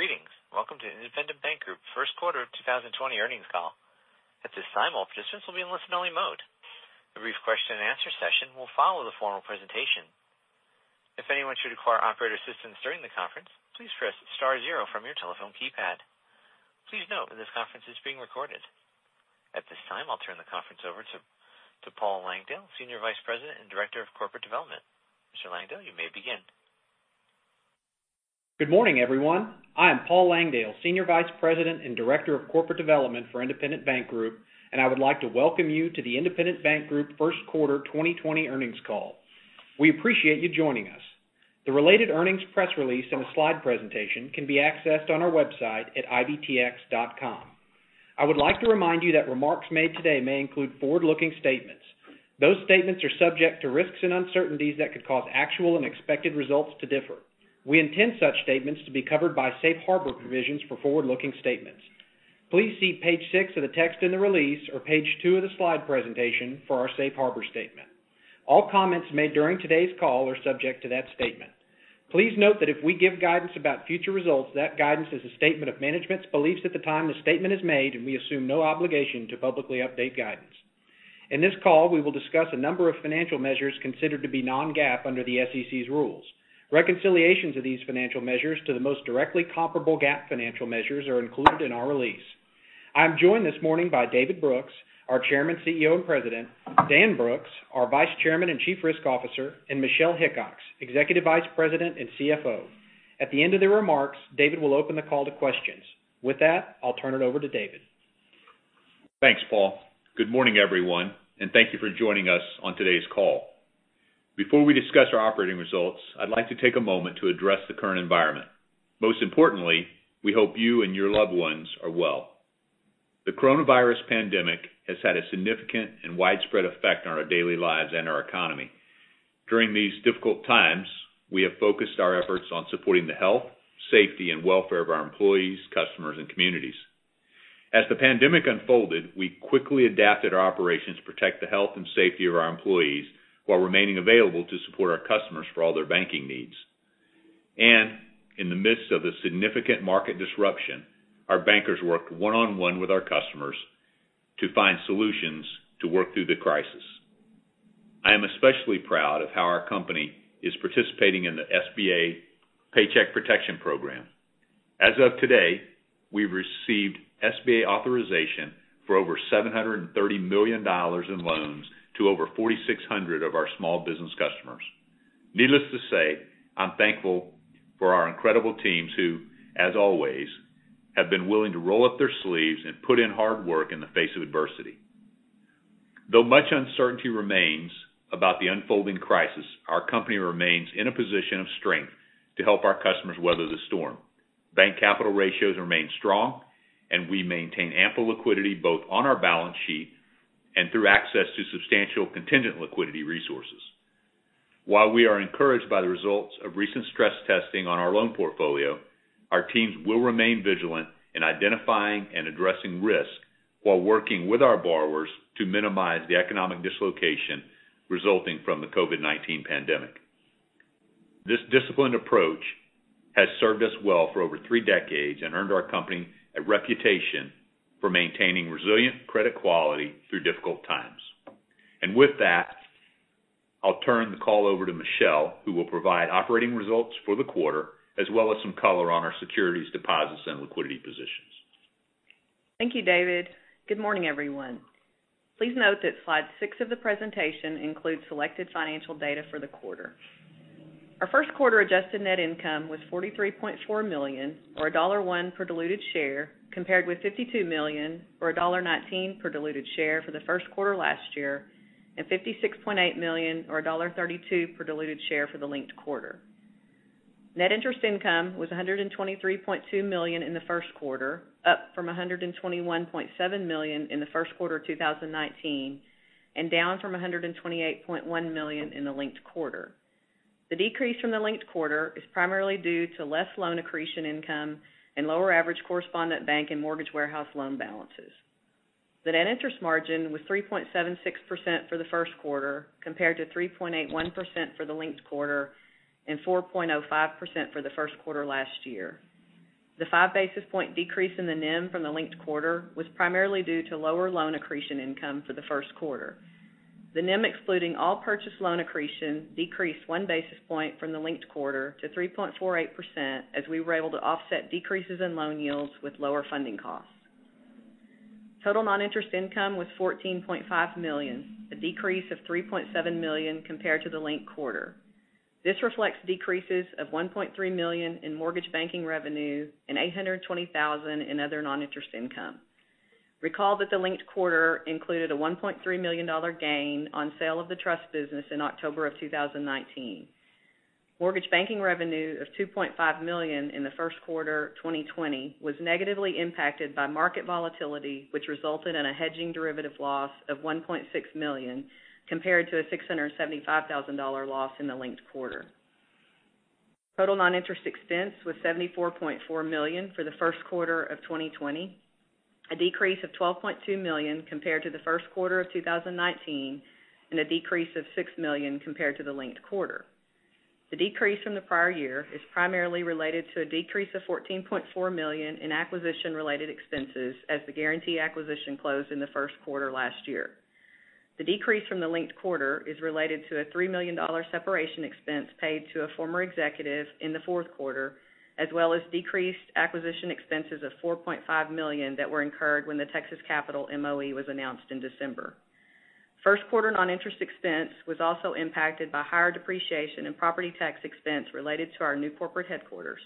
Greetings. Welcome to Independent Bank Group first quarter of 2020 earnings call. At this time, all participants will be in listen only mode. A brief question and answer session will follow the formal presentation. If anyone should require operator assistance during the conference, please press star zero from your telephone keypad. Please note this conference is being recorded. At this time, I'll turn the conference over to Paul Langdale, Senior Vice President and Director of Corporate Development. Mr. Langdale, you may begin. Good morning, everyone. I am Paul Langdale, Senior Vice President and Director of Corporate Development for Independent Bank Group, and I would like to welcome you to the Independent Bank Group first quarter 2020 earnings call. We appreciate you joining us. The related earnings press release and the slide presentation can be accessed on our website at ibtx.com. I would like to remind you that remarks made today may include forward-looking statements. Those statements are subject to risks and uncertainties that could cause actual and expected results to differ. We intend such statements to be covered by safe harbor provisions for forward-looking statements. Please see page six of the text in the release, or page two of the slide presentation for our safe harbor statement. All comments made during today's call are subject to that statement. Please note that if we give guidance about future results, that guidance is a statement of management's beliefs at the time the statement is made, and we assume no obligation to publicly update guidance. In this call, we will discuss a number of financial measures considered to be non-GAAP under the SEC's rules. Reconciliations of these financial measures to the most directly comparable GAAP financial measures are included in our release. I'm joined this morning by David Brooks, our Chairman, CEO, and President, Dan Brooks, our Vice Chairman and Chief Risk Officer, and Michelle Hickox, Executive Vice President and CFO. At the end of the remarks, David will open the call to questions. With that, I'll turn it over to David. Thanks, Paul. Good morning, everyone, and thank you for joining us on today's call. Before we discuss our operating results, I'd like to take a moment to address the current environment. Most importantly, we hope you and your loved ones are well. The coronavirus pandemic has had a significant and widespread effect on our daily lives and our economy. During these difficult times, we have focused our efforts on supporting the health, safety, and welfare of our employees, customers, and communities. As the pandemic unfolded, we quickly adapted our operations to protect the health and safety of our employees while remaining available to support our customers for all their banking needs. In the midst of the significant market disruption, our bankers worked one-on-one with our customers to find solutions to work through the crisis. I am especially proud of how our company is participating in the SBA Paycheck Protection Program. As of today, we've received SBA authorization for over $730 million in loans to over 4,600 of our small business customers. Needless to say, I'm thankful for our incredible teams who, as always, have been willing to roll up their sleeves and put in hard work in the face of adversity. Though much uncertainty remains about the unfolding crisis, our company remains in a position of strength to help our customers weather the storm. Bank capital ratios remain strong, and we maintain ample liquidity both on our balance sheet and through access to substantial contingent liquidity resources. While we are encouraged by the results of recent stress testing on our loan portfolio, our teams will remain vigilant in identifying and addressing risk while working with our borrowers to minimize the economic dislocation resulting from the COVID-19 pandemic. This disciplined approach has served us well for over three decades and earned our company a reputation for maintaining resilient credit quality through difficult times. With that, I'll turn the call over to Michelle, who will provide operating results for the quarter, as well as some color on our securities deposits and liquidity positions. Thank you, David. Good morning, everyone. Please note that slide six of the presentation includes selected financial data for the quarter. Our first quarter adjusted net income was $43.4 million, or $1.01 per diluted share, compared with $52 million or $1.19 per diluted share for the first quarter last year, and $56.8 million or $1.32 per diluted share for the linked quarter. Net interest income was $123.2 million in the first quarter, up from $121.7 million in the first quarter of 2019, and down from $128.1 million in the linked quarter. The decrease from the linked quarter is primarily due to less loan accretion income and lower average correspondent bank and mortgage warehouse loan balances. The net interest margin was 3.76% for the first quarter, compared to 3.81% for the linked quarter and 4.05% for the first quarter last year. The 5 basis point decrease in the NIM from the linked quarter was primarily due to lower loan accretion income for the first quarter. The NIM excluding all purchase loan accretion decreased 1 basis point from the linked quarter to 3.48% as we were able to offset decreases in loan yields with lower funding costs. Total non-interest income was $14.5 million, a decrease of $3.7 million compared to the linked quarter. This reflects decreases of $1.3 million in mortgage banking revenue and $820,000 in other non-interest income. Recall that the linked quarter included a $1.3 million gain on sale of the trust business in October of 2019. Mortgage banking revenue of $2.5 million in the first quarter 2020 was negatively impacted by market volatility, which resulted in a hedging derivative loss of $1.6 million, compared to a $675,000 loss in the linked quarter. Total non-interest expense was $74.4 million for the first quarter of 2020. A decrease of $12.2 million compared to the first quarter of 2019, and a decrease of $6 million compared to the linked quarter. The decrease from the prior year is primarily related to a decrease of $14.4 million in acquisition-related expenses as the Guaranty acquisition closed in the first quarter last year. The decrease from the linked quarter is related to a $3 million separation expense paid to a former executive in the fourth quarter, as well as decreased acquisition expenses of $4.5 million that were incurred when the Texas Capital MOE was announced in December. First quarter non-interest expense was also impacted by higher depreciation and property tax expense related to our new corporate headquarters.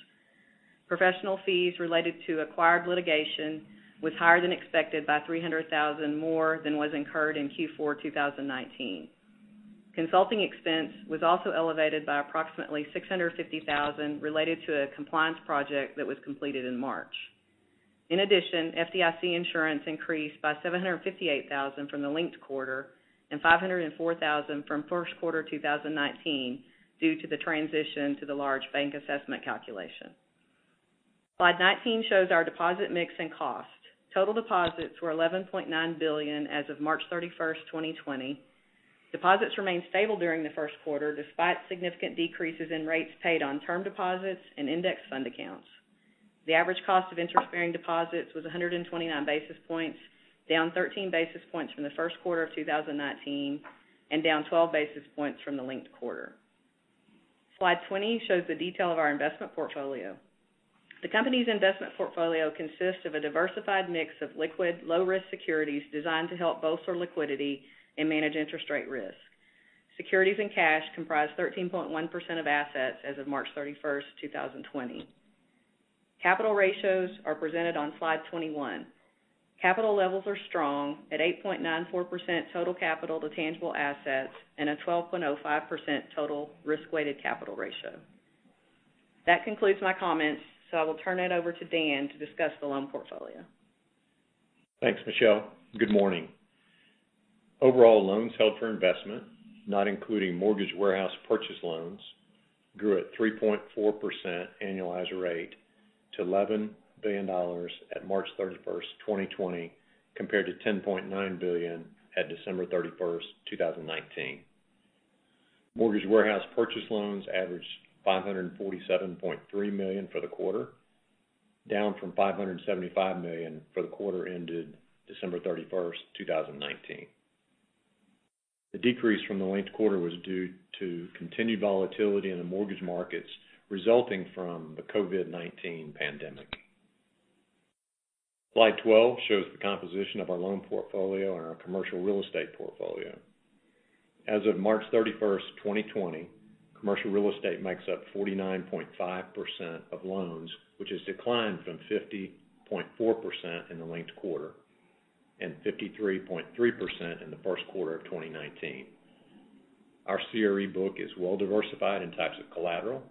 Professional fees related to acquired litigation was higher than expected by $300,000 more than was incurred in Q4 2019. Consulting expense was also elevated by approximately $650,000 related to a compliance project that was completed in March. In addition, FDIC insurance increased by $758,000 from the linked quarter and $504,000 from first quarter 2019 due to the transition to the large bank assessment calculation. Slide 19 shows our deposit mix and cost. Total deposits were $11.9 billion as of March 31, 2020. Deposits remained stable during the first quarter, despite significant decreases in rates paid on term deposits and index fund accounts. The average cost of interest-bearing deposits was 129 basis points, down 13 basis points from the first quarter of 2019, and down 12 basis points from the linked quarter. Slide 20 shows the detail of our investment portfolio. The company's investment portfolio consists of a diversified mix of liquid, low-risk securities designed to help bolster liquidity and manage interest rate risk. Securities and cash comprise 13.1% of assets as of March 31st, 2020. Capital ratios are presented on Slide 21. Capital levels are strong at 8.94% total capital to tangible assets and a 12.05% total risk-weighted capital ratio. That concludes my comments. I will turn it over to Dan to discuss the loan portfolio. Thanks, Michelle. Good morning. Overall loans held for investment, not including mortgage warehouse purchase loans, grew at 3.4% annualized rate to $11 billion at March 31st, 2020, compared to $10.9 billion at December 31st, 2019. Mortgage warehouse purchase loans averaged $547.3 million for the quarter, down from $575 million for the quarter ended December 31st, 2019. The decrease from the linked quarter was due to continued volatility in the mortgage markets resulting from the COVID-19 pandemic. Slide 12 shows the composition of our loan portfolio and our commercial real estate portfolio. As of March 31st, 2020, commercial real estate makes up 49.5% of loans, which has declined from 50.4% in the linked quarter and 53.3% in the first quarter of 2019. Our CRE book is well diversified in types of collateral,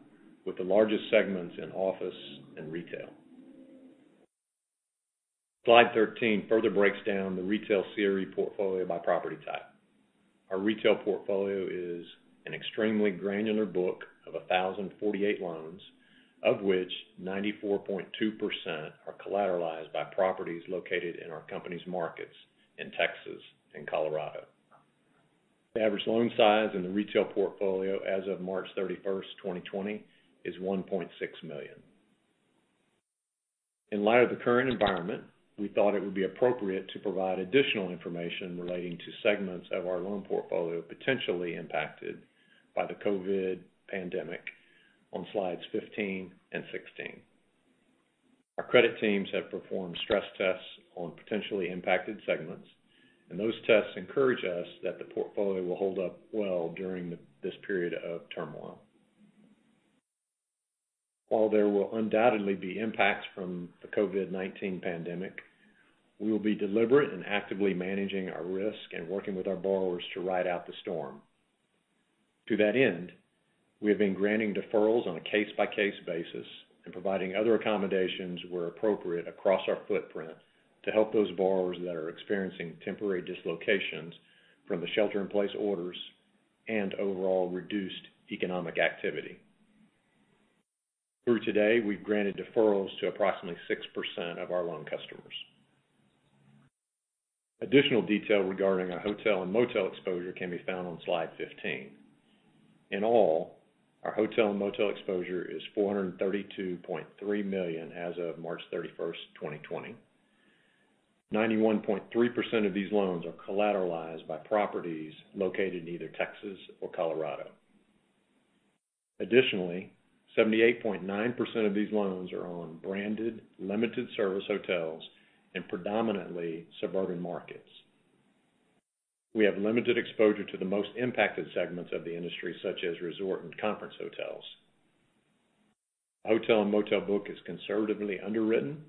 with the largest segments in office and retail. Slide 13 further breaks down the retail CRE portfolio by property type. Our retail portfolio is an extremely granular book of 1,048 loans, of which 94.2% are collateralized by properties located in our company's markets in Texas and Colorado. The average loan size in the retail portfolio as of March 31st, 2020, is $1.6 million. In light of the current environment, we thought it would be appropriate to provide additional information relating to segments of our loan portfolio potentially impacted by the COVID pandemic on Slides 15 and 16. Our credit teams have performed stress tests on potentially impacted segments, those tests encourage us that the portfolio will hold up well during this period of turmoil. While there will undoubtedly be impacts from the COVID-19 pandemic, we will be deliberate in actively managing our risk and working with our borrowers to ride out the storm. To that end, we have been granting deferrals on a case-by-case basis and providing other accommodations where appropriate across our footprint to help those borrowers that are experiencing temporary dislocations from the shelter-in-place orders and overall reduced economic activity. Through today, we've granted deferrals to approximately 6% of our loan customers. Additional detail regarding our hotel and motel exposure can be found on Slide 15. In all, our hotel and motel exposure is $432.3 million as of March 31st, 2020. 91.3% of these loans are collateralized by properties located in either Texas or Colorado. Additionally, 78.9% of these loans are on branded limited service hotels in predominantly suburban markets. We have limited exposure to the most impacted segments of the industry, such as resort and conference hotels. Hotel and motel book is conservatively underwritten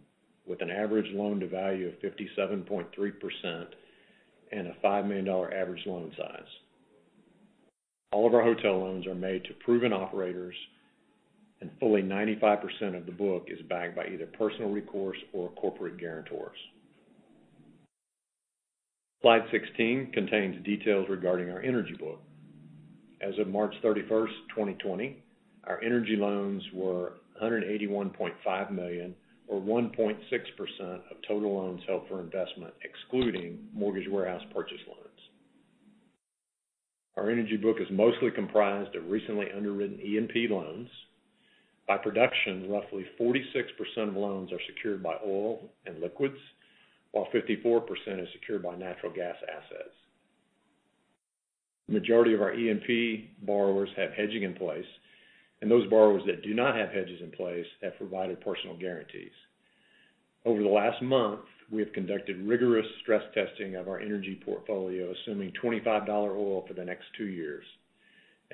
with an average loan-to-value of 57.3% and a $5 million average loan size. All of our hotel loans are made to proven operators, and fully 95% of the book is backed by either personal recourse or corporate guarantors. Slide 16 contains details regarding our energy book. As of March 31st, 2020, our energy loans were $181.5 million or 1.6% of total loans held for investment, excluding mortgage warehouse purchase loans. Our energy book is mostly comprised of recently underwritten E&P loans. By production, roughly 46% of loans are secured by oil and liquids, while 54% is secured by natural gas assets. Majority of our E&P borrowers have hedging in place, and those borrowers that do not have hedges in place have provided personal guarantees. Over the last month, we have conducted rigorous stress testing of our energy portfolio, assuming $25 oil for the next two years.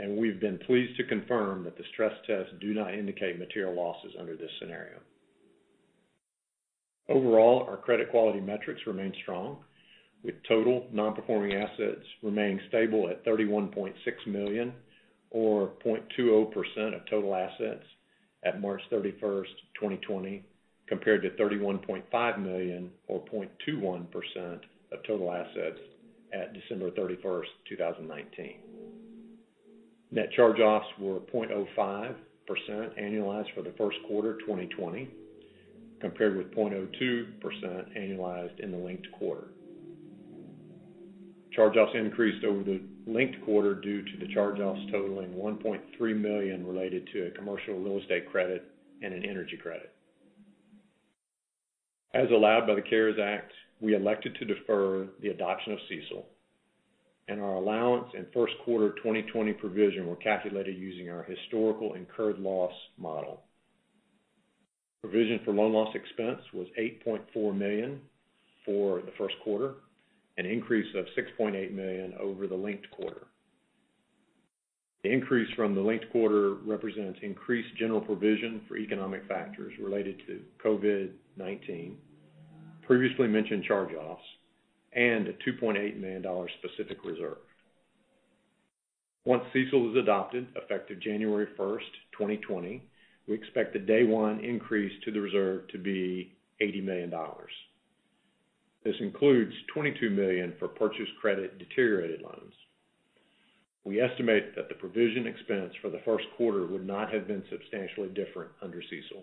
We've been pleased to confirm that the stress tests do not indicate material losses under this scenario. Overall, our credit quality metrics remain strong, with total non-performing assets remaining stable at $31.6 million, or 0.20% of total assets at March 31st, 2020, compared to $31.5 million or 0.21% of total assets at December 31st, 2019. Net charge-offs were 0.05% annualized for the first quarter 2020, compared with 0.02% annualized in the linked quarter. Charge-offs increased over the linked quarter due to the charge-offs totaling $1.3 million related to a commercial real estate credit and an energy credit. As allowed by the CARES Act, we elected to defer the adoption of CECL, and our allowance in first quarter 2020 provision were calculated using our historical incurred loss model. Provision for loan loss expense was $8.4 million for the first quarter, an increase of $6.8 million over the linked quarter. The increase from the linked quarter represents increased general provision for economic factors related to COVID-19, previously mentioned charge-offs, and a $2.8 million specific reserve. Once CECL is adopted, effective January 1st, 2020, we expect the day one increase to the reserve to be $80 million. This includes $22 million for purchase credit deteriorated loans. We estimate that the provision expense for the first quarter would not have been substantially different under CECL.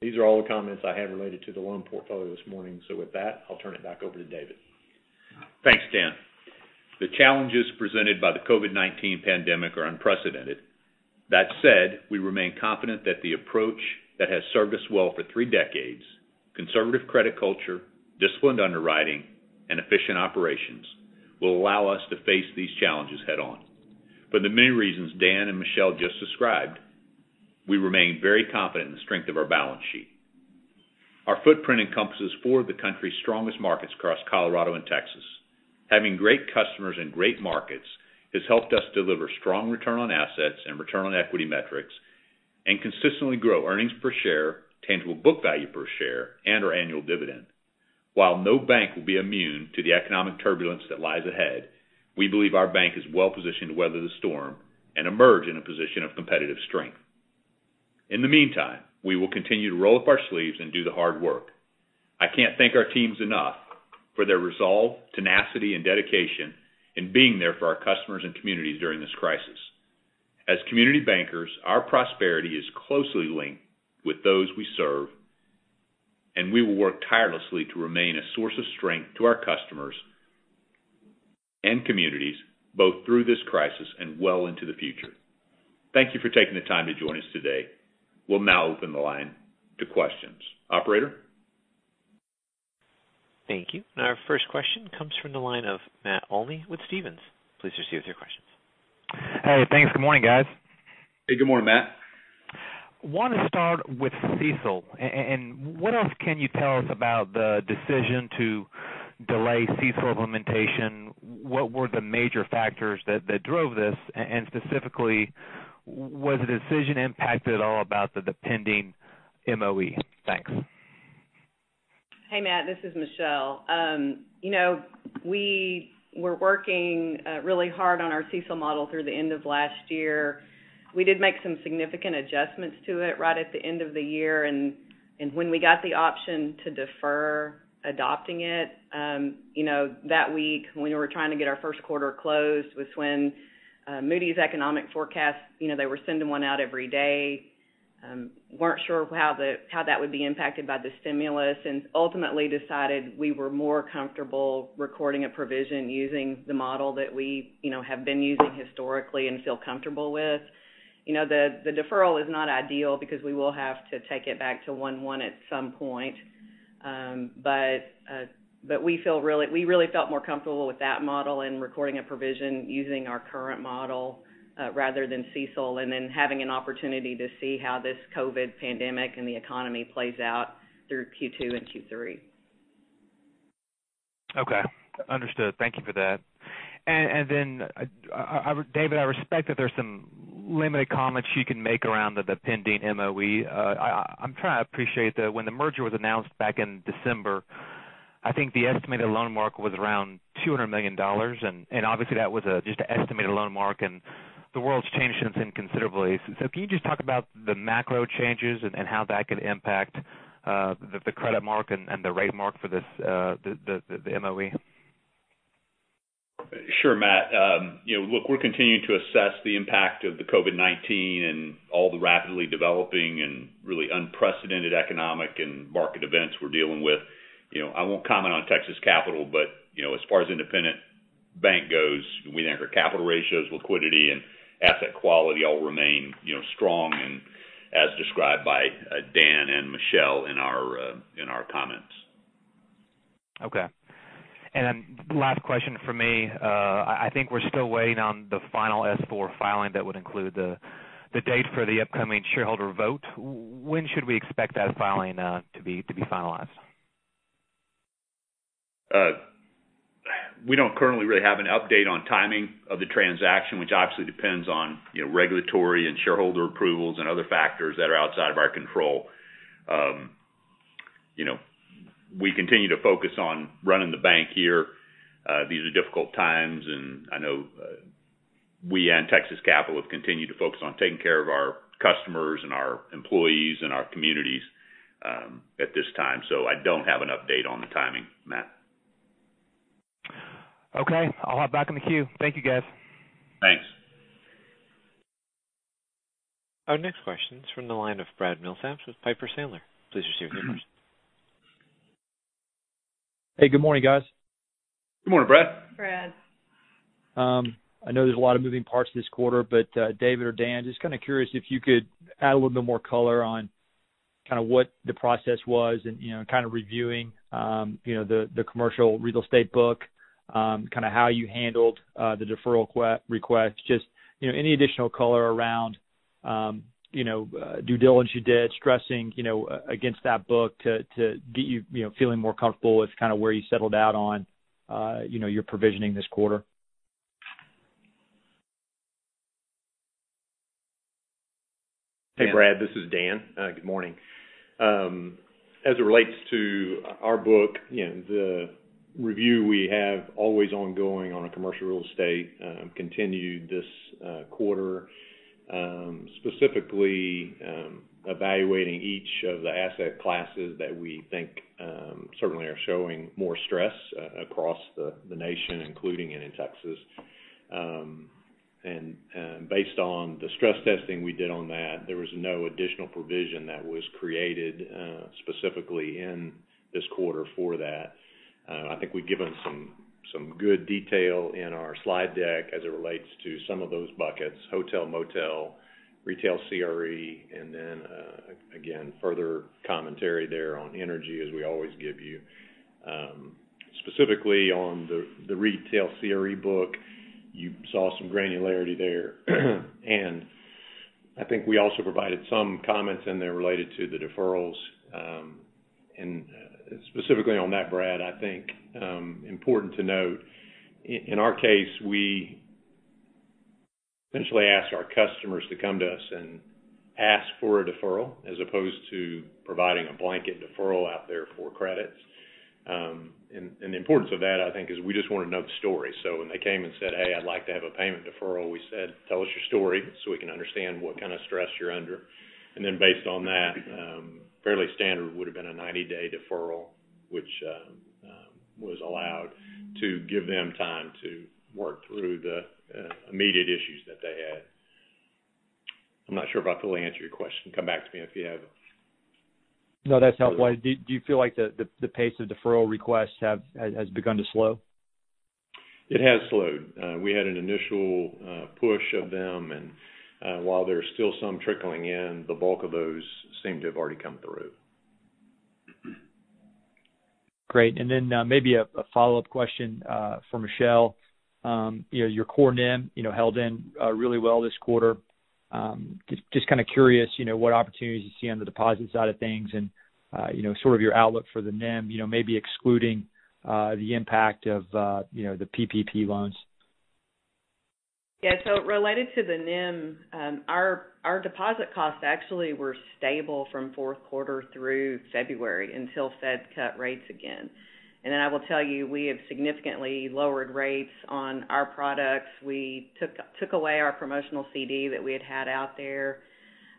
These are all the comments I have related to the loan portfolio this morning. With that, I'll turn it back over to David. Thanks, Dan Brooks. The challenges presented by the COVID-19 pandemic are unprecedented. That said, we remain confident that the approach that has served us well for three decades, conservative credit culture, disciplined underwriting, and efficient operations, will allow us to face these challenges head on. For the many reasons Dan Brooks and Michelle Hickox just described, we remain very confident in the strength of our balance sheet. Our footprint encompasses four of the country's strongest markets across Colorado and Texas. Having great customers and great markets has helped us deliver strong return on assets and return on equity metrics and consistently grow earnings per share, tangible book value per share, and our annual dividend. While no bank will be immune to the economic turbulence that lies ahead, we believe our bank is well-positioned to weather the storm and emerge in a position of competitive strength. In the meantime, we will continue to roll up our sleeves and do the hard work. I can't thank our teams enough for their resolve, tenacity, and dedication in being there for our customers and communities during this crisis. As community bankers, our prosperity is closely linked with those we serve, and we will work tirelessly to remain a source of strength to our customers and communities, both through this crisis and well into the future. Thank you for taking the time to join us today. We'll now open the line to questions. Operator? Thank you. Our first question comes from the line of Matt Olney with Stephens. Please proceed with your questions. Hey, thanks. Good morning, guys. Hey, good morning, Matt. want to start with CECL. What else can you tell us about the decision to delay CECL implementation? What were the major factors that drove this? Specifically, was the decision impacted at all about the pending MOE? Thanks. Hey, Matt. This is Michelle. We were working really hard on our CECL model through the end of last year. We did make some significant adjustments to it right at the end of the year. When we got the option to defer adopting it, that week when we were trying to get our first quarter closed was when Moody's economic forecast, they were sending one out every day, weren't sure how that would be impacted by the stimulus, and ultimately decided we were more comfortable recording a provision using the model that we have been using historically and feel comfortable with. The deferral is not ideal because we will have to take it back to 1/1 at some point. We really felt more comfortable with that model and recording a provision using our current model rather than CECL, and then having an opportunity to see how this COVID pandemic and the economy plays out through Q2 and Q3. Okay. Understood. Thank you for that. Then, David, I respect that there's some limited comments you can make around the pending MOE. I'm trying to appreciate that when the merger was announced back in December, I think the estimated loan mark was around $200 million, and obviously, that was just an estimated loan mark and the world's changed since then considerably. Can you just talk about the macro changes and how that could impact the credit mark and the rate mark for the MOE? Sure, Matt. Look, we're continuing to assess the impact of the COVID-19 and all the rapidly developing and really unprecedented economic and market events we're dealing with. I won't comment on Texas Capital. As far as Independent Bank goes, we think our capital ratios, liquidity, and asset quality all remain strong, and as described by Dan and Michelle in our comments. Okay. Last question from me. I think we're still waiting on the final S4 filing that would include the date for the upcoming shareholder vote. When should we expect that filing to be finalized? We don't currently really have an update on timing of the transaction, which obviously depends on regulatory and shareholder approvals and other factors that are outside of our control. We continue to focus on running the bank here. These are difficult times, and I know we and Texas Capital have continued to focus on taking care of our customers and our employees and our communities at this time. I don't have an update on the timing, Matt. Okay. I'll hop back in the queue. Thank you, guys. Thanks. Our next question is from the line of Brad Milsaps with Piper Sandler. Please proceed with your question. Hey, good morning, guys. Good morning, Brad. Brad. I know there's a lot of moving parts this quarter, David or Dan, just kind of curious if you could add a little bit more color on what the process was in kind of reviewing the commercial real estate book, how you handled the deferral requests. Just any additional color around due diligence you did, stressing against that book to get you feeling more comfortable with where you settled out on your provisioning this quarter. Hey, Brad, this is Dan. Good morning. As it relates to our book, the review we have always ongoing on a commercial real estate continued this quarter, specifically evaluating each of the asset classes that we think certainly are showing more stress across the nation, including in Texas. Based on the stress testing we did on that, there was no additional provision that was created specifically in this quarter for that. I think we've given some good detail in our slide deck as it relates to some of those buckets, hotel, motel, retail CRE, and then again, further commentary there on energy as we always give you. Specifically on the retail CRE book, you saw some granularity there. I think we also provided some comments in there related to the deferrals. Specifically on that, Brad, I think important to note, in our case, we essentially ask our customers to come to us and ask for a deferral as opposed to providing a blanket deferral out there for credits. The importance of that, I think is we just want to know the story. When they came and said, "Hey, I'd like to have a payment deferral," we said, "Tell us your story so we can understand what kind of stress you're under." Then based on that, fairly standard would've been a 90-day deferral, which was allowed to give them time to work through the immediate issues that they had. I'm not sure if I fully answered your question. Come back to me if you have. No, that's helpful. Do you feel like the pace of deferral requests has begun to slow? It has slowed. We had an initial push of them, and while there's still some trickling in, the bulk of those seem to have already come through. Great. Then maybe a follow-up question for Michelle. Your core NIM held in really well this quarter. Just kind of curious what opportunities you see on the deposit side of things and sort of your outlook for the NIM, maybe excluding the impact of the PPP loans. Related to the NIM, our deposit costs actually were stable from fourth quarter through February until Fed cut rates again. I will tell you, we have significantly lowered rates on our products. We took away our promotional CD that we had had out there.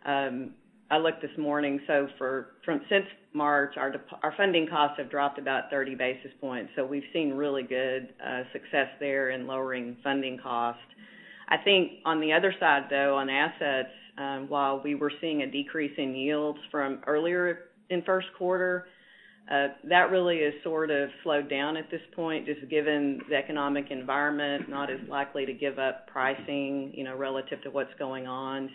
I looked this morning. Since March, our funding costs have dropped about 30 basis points. We've seen really good success there in lowering funding costs. I think on the other side, though, on assets, while we were seeing a decrease in yields from earlier in first quarter, that really has sort of slowed down at this point, just given the economic environment, not as likely to give up pricing relative to what's going on.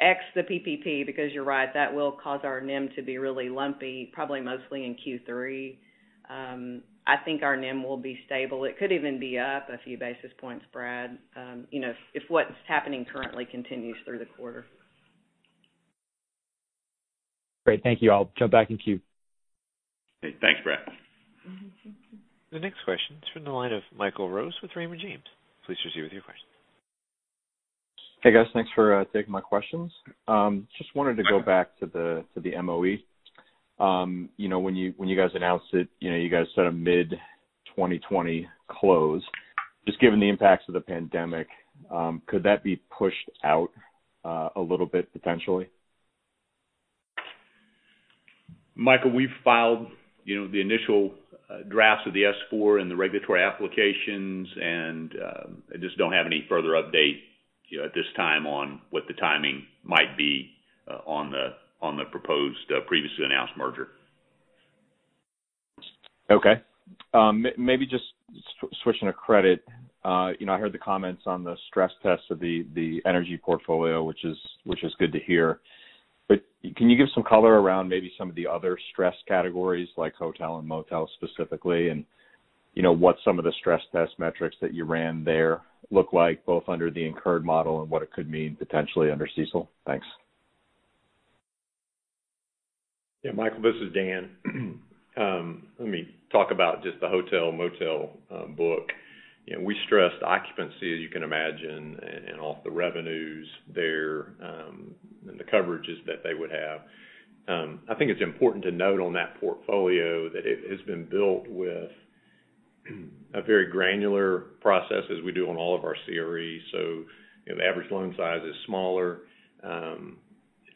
Ex the PPP, because you're right, that will cause our NIM to be really lumpy, probably mostly in Q3. I think our NIM will be stable. It could even be up a few basis points, Brad, if what's happening currently continues through the quarter. Great. Thank you. I'll jump back in queue. Hey, thanks, Brad. The next question is from the line of Michael Rose with Raymond James. Please proceed with your question. Hey, guys. Thanks for taking my questions. Just wanted to go back to the MOE. When you guys announced it, you guys said a mid-2020 close. Just given the impacts of the pandemic, could that be pushed out a little bit potentially? Michael, we've filed the initial drafts of the S4 and the regulatory applications, and I just don't have any further update at this time on what the timing might be on the proposed previously announced merger. Okay. Maybe just switching to credit. I heard the comments on the stress test of the energy portfolio, which is good to hear. Can you give some color around maybe some of the other stress categories, like hotel and motel specifically, and what some of the stress test metrics that you ran there look like, both under the incurred model and what it could mean potentially under CECL? Thanks. Yeah, Michael, this is Dan. Let me talk about just the hotel and motel book. We stressed occupancy, as you can imagine, and off the revenues there, and the coverages that they would have. I think it's important to note on that portfolio that it has been built with a very granular process as we do on all of our CREs. The average loan size is smaller.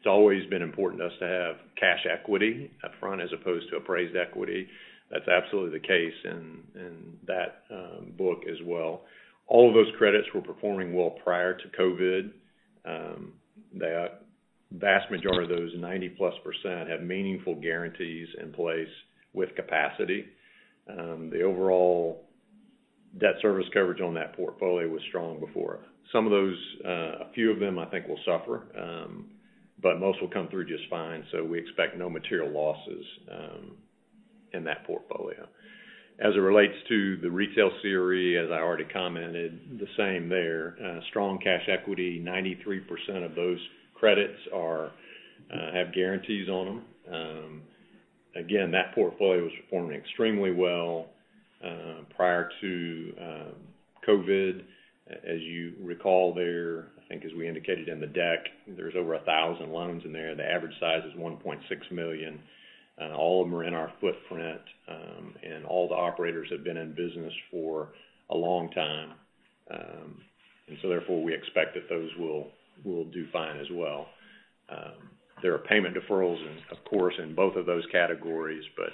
It's always been important to us to have cash equity upfront as opposed to appraised equity. That's absolutely the case in that book as well. All of those credits were performing well prior to COVID. The vast majority of those, 90+%, have meaningful guarantees in place with capacity. The overall debt service coverage on that portfolio was strong before. A few of them I think will suffer, but most will come through just fine. We expect no material losses in that portfolio. As it relates to the retail CRE, as I already commented, the same there. Strong cash equity, 93% of those credits have guarantees on them. Again, that portfolio was performing extremely well prior to COVID-19. As you recall there, I think as we indicated in the deck, there's over 1,000 loans in there. The average size is $1.6 million. All of them are in our footprint, and all the operators have been in business for a long time. Therefore, we expect that those will do fine as well. There are payment deferrals, of course, in both of those categories, but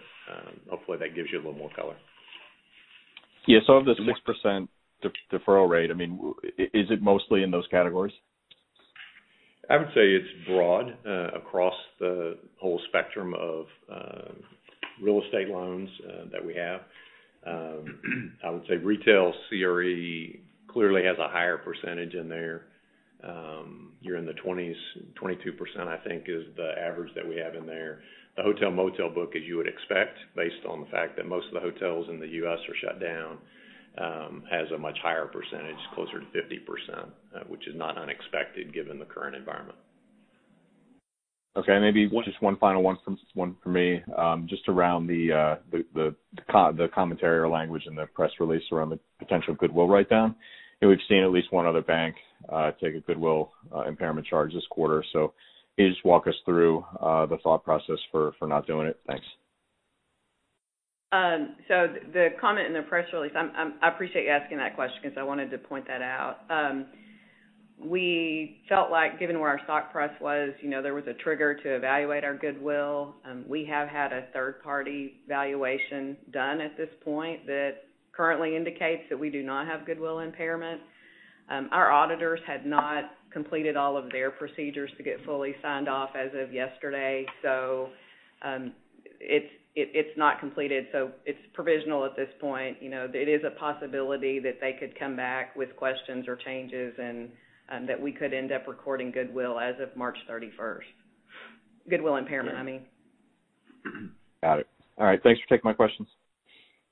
hopefully that gives you a little more color. Yeah. Of this 6% deferral rate, is it mostly in those categories? I would say it's broad across the whole spectrum of real estate loans that we have. I would say retail CRE clearly has a higher percentage in there. You're in the 20s, 22% I think is the average that we have in there. The hotel and motel book, as you would expect, based on the fact that most of the hotels in the U.S. are shut down, has a much higher percentage, closer to 50%, which is not unexpected given the current environment. Okay, maybe just one final one from me. Just around the commentary or language in the press release around the potential goodwill write-down. We've seen at least one other bank take a goodwill impairment charge this quarter. Can you just walk us through the thought process for not doing it? Thanks. The comment in the press release, I appreciate you asking that question because I wanted to point that out. We felt like given where our stock price was, there was a trigger to evaluate our goodwill. We have had a third-party valuation done at this point that currently indicates that we do not have goodwill impairment. Our auditors had not completed all of their procedures to get fully signed off as of yesterday. It's not completed. It's provisional at this point. It is a possibility that they could come back with questions or changes and that we could end up recording goodwill as of March 31st. Goodwill impairment, I mean. Got it. All right. Thanks for taking my questions.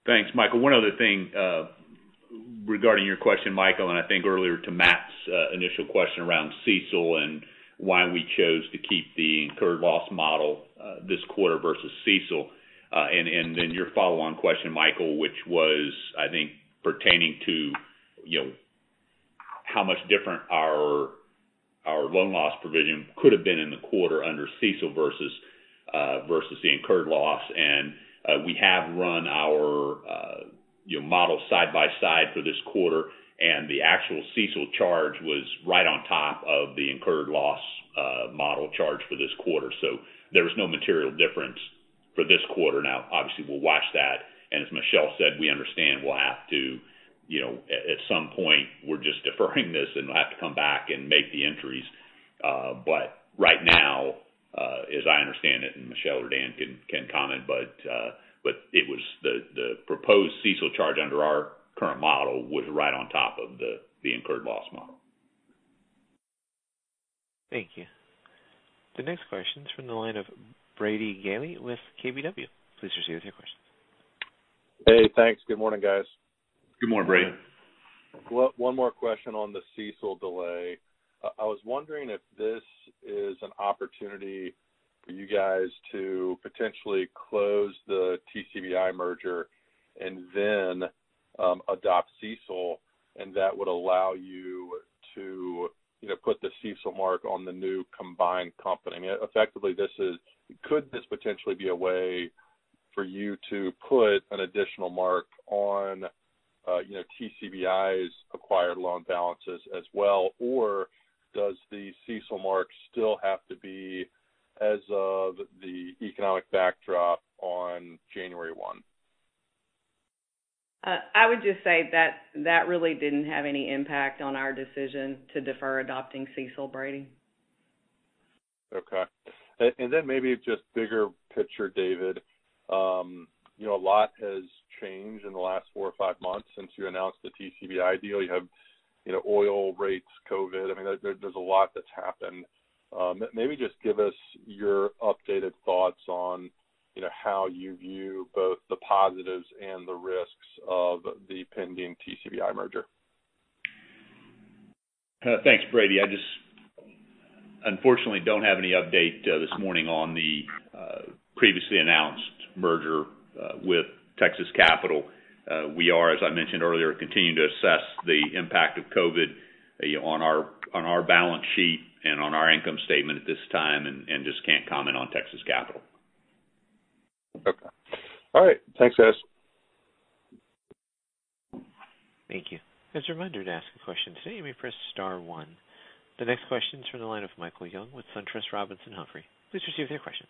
Thanks, Michael. One other thing regarding your question, Michael, I think earlier to Matt's initial question around CECL and why we chose to keep the incurred loss model this quarter versus CECL. Then your follow-on question, Michael, which was, I think pertaining to how much different our loan loss provision could have been in the quarter under CECL versus the incurred loss. We have run our model side by side for this quarter, and the actual CECL charge was right on top of the incurred loss model charge for this quarter. There was no material difference for this quarter. Obviously, we'll watch that. As Michelle said, we understand we'll have to, at some point, we're just deferring this and we'll have to come back and make the entries. Right now, as I understand it, and Michelle or Dan can comment, but the proposed CECL charge under our current model was right on top of the incurred loss model. Thank you. The next question is from the line of Brady Gailey with KBW. Please proceed with your question. Hey, thanks. Good morning, guys. Good morning, Brady. One more question on the CECL delay. I was wondering if this is an opportunity for you guys to potentially close the TCBI merger and then Adopt CECL, and that would allow you to put the CECL mark on the new combined company. Effectively, could this potentially be a way for you to put an additional mark on TCBI's acquired loan balances as well, or does the CECL mark still have to be as of the economic backdrop on January 1? I would just say that really didn't have any impact on our decision to defer adopting CECL, Brady. Okay. Maybe just bigger picture, David. A lot has changed in the last four or five months since you announced the TCBI deal. You have oil rates, COVID. There's a lot that's happened. Maybe just give us your updated thoughts on how you view both the positives and the risks of the pending TCBI merger. Thanks, Brady. I just unfortunately don't have any update this morning on the previously announced merger with Texas Capital. We are, as I mentioned earlier, continuing to assess the impact of COVID on our balance sheet and on our income statement at this time, and just can't comment on Texas Capital. Okay. All right. Thanks, guys. Thank you. As a reminder, to ask a question today, you may press *1. The next question is from the line of Michael Young with SunTrust Robinson Humphrey. Please proceed with your question.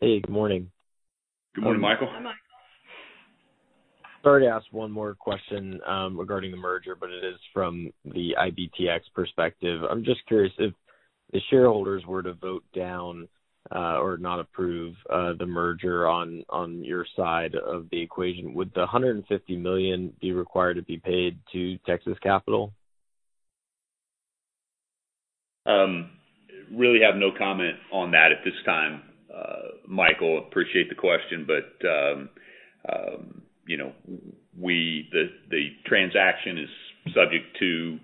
Hey, good morning. Good morning, Michael. Hi, Michael. Sorry to ask one more question regarding the merger, but it is from the IBTX perspective. I'm just curious if the shareholders were to vote down or not approve the merger on your side of the equation, would the $150 million be required to be paid to Texas Capital? Really have no comment on that at this time, Michael. Appreciate the question, but the transaction is subject to,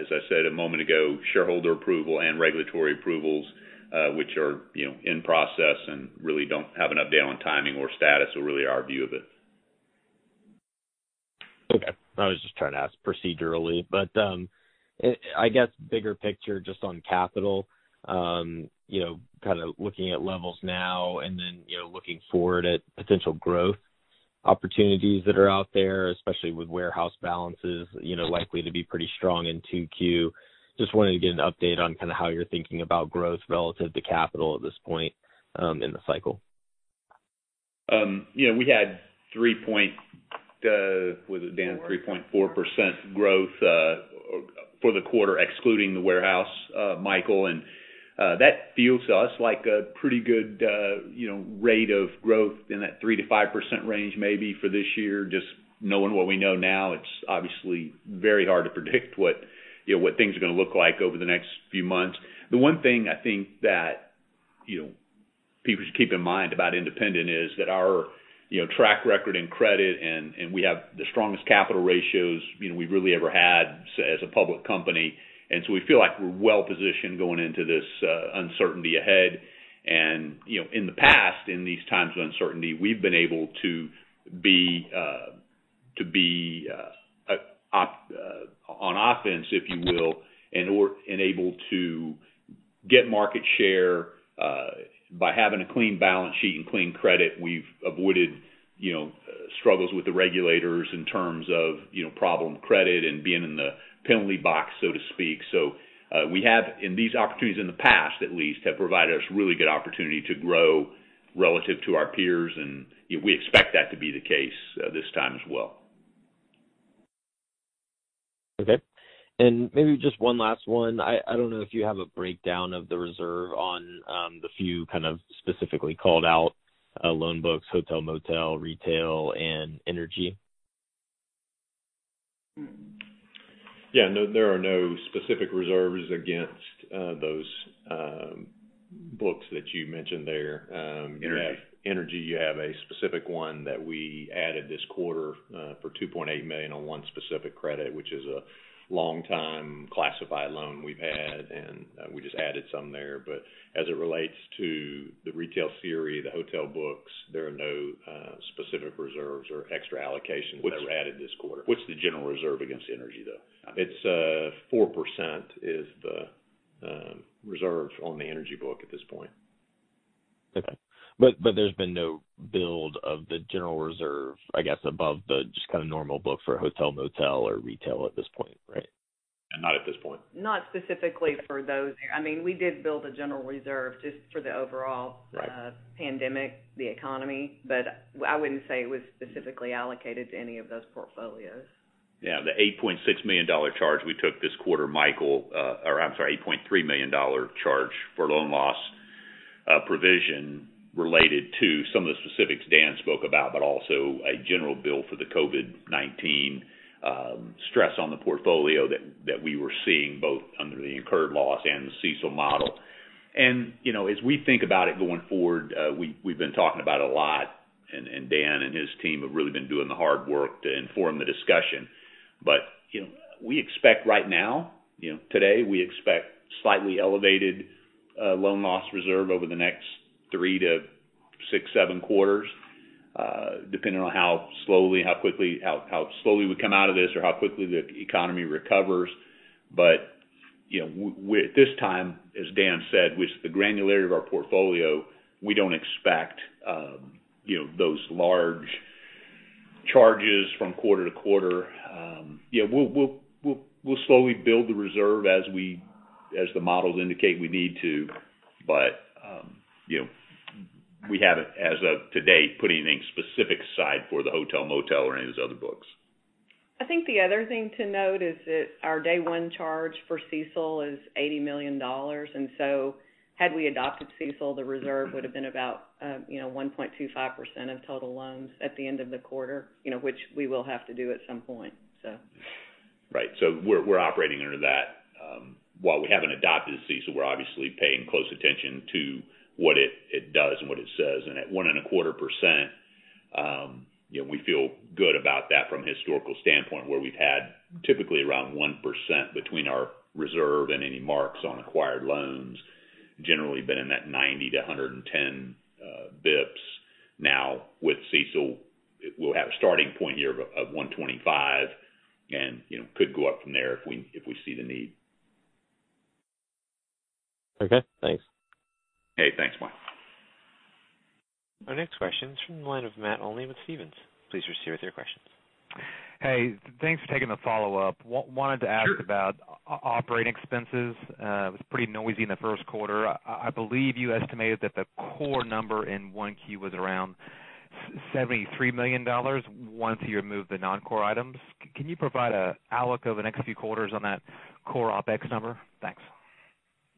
as I said a moment ago, shareholder approval and regulatory approvals, which are in process and really don't have an update on timing or status or really our view of it. Okay. I was just trying to ask procedurally. I guess bigger picture just on capital, kind of looking at levels now and then looking forward at potential growth opportunities that are out there, especially with warehouse balances likely to be pretty strong in 2Q. Just wanted to get an update on kind of how you're thinking about growth relative to capital at this point in the cycle. We had three-point, was it Dan? 3.4% growth for the quarter, excluding the warehouse, Michael. That feels to us like a pretty good rate of growth in that 3%-5% range maybe for this year. Just knowing what we know now, it's obviously very hard to predict what things are going to look like over the next few months. The one thing I think that people should keep in mind about Independent is that our track record and credit. We have the strongest capital ratios we've really ever had as a public company. We feel like we're well positioned going into this uncertainty ahead. In the past, in these times of uncertainty, we've been able to be on offense, if you will, and able to get market share by having a clean balance sheet and clean credit. We've avoided struggles with the regulators in terms of problem credit and being in the penalty box, so to speak. We have, in these opportunities in the past at least, have provided us really good opportunity to grow relative to our peers, and we expect that to be the case this time as well. Okay. Maybe just one last one. I don't know if you have a breakdown of the reserve on the few kind of specifically called out loan books, hotel, motel, retail, and energy. Yeah, no. There are no specific reserves against those books that you mentioned there. Energy, you have a specific one that we added this quarter for $2.8 million on one specific credit, which is a long time classified loan we've had, and we just added some there. As it relates to the retail CRE, the hotel books, there are no specific reserves or extra allocations that were added this quarter. What's the general reserve against energy, though? It's 4% is the reserve on the energy book at this point. Okay. There's been no build of the general reserve, I guess, above the just kind of normal book for hotel, motel, or retail at this point, right? Not at this point. Not specifically for those. We did build a general reserve just for the overall- Right pandemic, the economy. I wouldn't say it was specifically allocated to any of those portfolios. Yeah. The $8.6 million charge we took this quarter, Michael, or I'm sorry, $8.3 million charge for loan loss provision related to some of the specifics Dan spoke about, but also a general bill for the COVID-19 stress on the portfolio that we were seeing both under the incurred loss and the CECL model. As we think about it going forward, we've been talking about a lot, and Dan and his team have really been doing the hard work to inform the discussion. We expect right now, today, we expect slightly elevated loan loss reserve over the next three to six, seven quarters, depending on how slowly we come out of this or how quickly the economy recovers. At this time, as Dan said, with the granularity of our portfolio, we don't expect those large charges from quarter to quarter. We'll slowly build the reserve as the models indicate we need to. We haven't, as of today, put anything specific aside for the hotel, motel or any of those other books. I think the other thing to note is that our day one charge for CECL is $80 million. Had we adopted CECL, the reserve would have been about 1.25% of total loans at the end of the quarter which we will have to do at some point. Right. We're operating under that. While we haven't adopted CECL, we're obviously paying close attention to what it does and what it says. At 1.25%, we feel good about that from a historical standpoint where we've had typically around 1% between our reserve and any marks on acquired loans. Generally been in that 90-110 BPS. With CECL, we'll have a starting point here of 125 BPS and could go up from there if we see the need. Okay, thanks. Hey, thanks, Mike. Our next question is from the line of Matt Olney with Stephens. Please proceed with your questions. Hey, thanks for taking the follow-up. Sure. Wanted to ask about operating expenses. It was pretty noisy in the first quarter. I believe you estimated that the core number in Q1 was around $73 million once you removed the non-core items. Can you provide an outlook of the next few quarters on that core OpEx number? Thanks.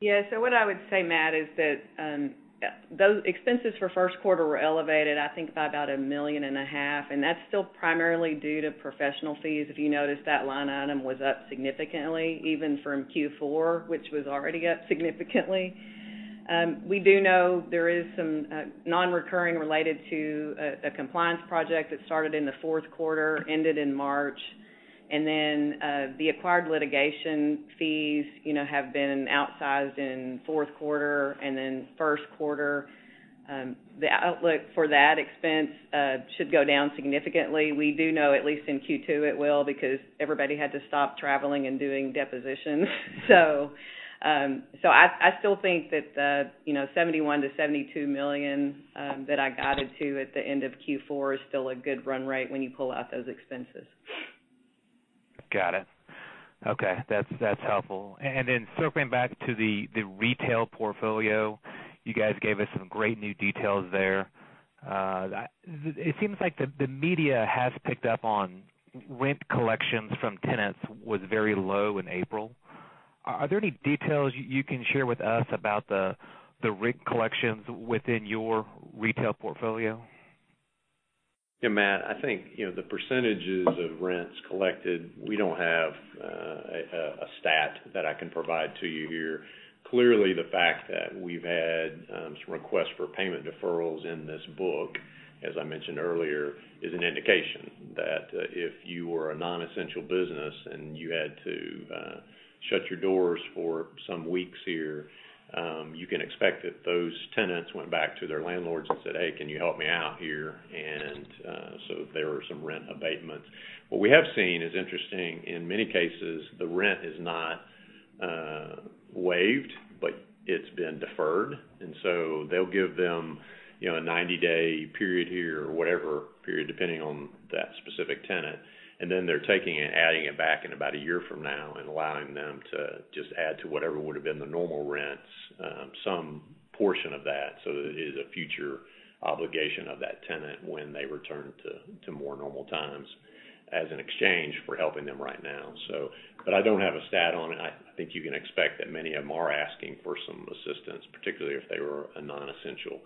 Yeah. What I would say, Matt, is that those expenses for first quarter were elevated, I think, by about $1.5 million, and that's still primarily due to professional fees. If you noticed, that line item was up significantly, even from Q4, which was already up significantly. We do know there is some non-recurring related to a compliance project that started in the fourth quarter, ended in March. The acquired litigation fees have been outsized in fourth quarter and in first quarter. The outlook for that expense should go down significantly. We do know at least in Q2 it will because everybody had to stop traveling and doing depositions. I still think that, $71 million-$72 million that I guided to at the end of Q4 is still a good run rate when you pull out those expenses. Got it. Okay. Then circling back to the retail portfolio, you guys gave us some great new details there. It seems like the media has picked up on rent collections from tenants was very low in April. Are there any details you can share with us about the rent collections within your retail portfolio? Matt, I think the percentages of rents collected, we don't have a stat that I can provide to you here. Clearly, the fact that we've had some requests for payment deferrals in this book, as I mentioned earlier, is an indication that if you were a non-essential business and you had to shut your doors for some weeks here, you can expect that those tenants went back to their landlords and said, "Hey, can you help me out here?" There were some rent abatements. What we have seen is interesting. In many cases, the rent is not waived, but it's been deferred. They'll give them a 90-day period here or whatever period, depending on that specific tenant. They're taking it and adding it back in about one year from now and allowing them to just add to whatever would have been the normal rents, some portion of that, so that it is a future obligation of that tenant when they return to more normal times as an exchange for helping them right now. I don't have a stat on it. I think you can expect that many of them are asking for some assistance, particularly if they were a non-essential.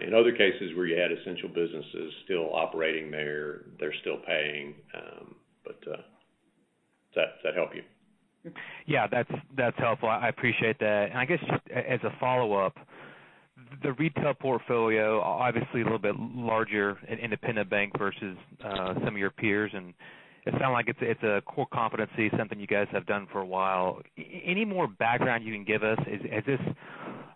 In other cases where you had essential businesses still operating there, they're still paying. Does that help you? Yeah, that's helpful. I appreciate that. I guess just as a follow-up, the retail portfolio, obviously a little bit larger at Independent Bank versus some of your peers, and it sounds like it's a core competency, something you guys have done for a while. Any more background you can give us? Has this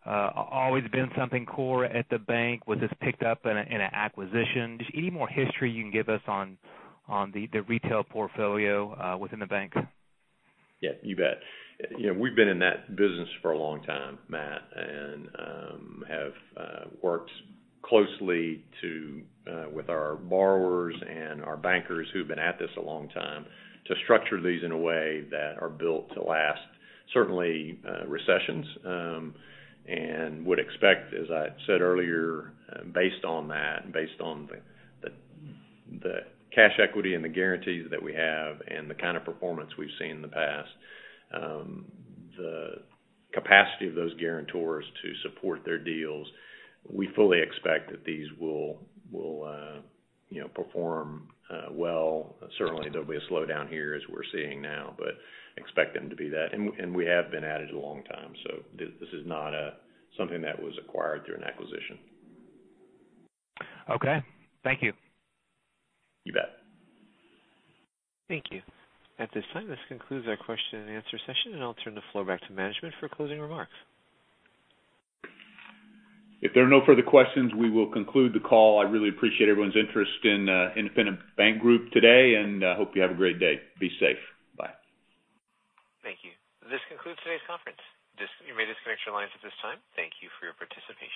always been something core at the bank? Was this picked up in an acquisition? Just any more history you can give us on the retail portfolio within the bank? Yeah, you bet. We've been in that business for a long time, Matt, and have worked closely with our borrowers and our bankers who've been at this a long time to structure these in a way that are built to last, certainly, recessions. Would expect, as I said earlier, based on that, based on the cash equity and the guarantees that we have and the kind of performance we've seen in the past, the capacity of those guarantors to support their deals, we fully expect that these will perform well. Certainly, there'll be a slowdown here as we're seeing now, but expect them to be that. We have been at it a long time, so this is not something that was acquired through an acquisition. Okay. Thank you. You bet. Thank you. At this time, this concludes our question and answer session. I'll turn the floor back to management for closing remarks. If there are no further questions, we will conclude the call. I really appreciate everyone's interest in Independent Bank Group today, and hope you have a great day. Be safe. Bye. Thank you. This concludes today's conference. You may disconnect your lines at this time. Thank you for your participation.